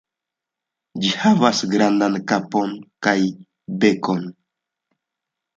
Ĝi havas grandan kapon kaj bekon.